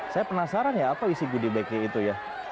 saya penasaran ya apa isi goodie bagnya itu ya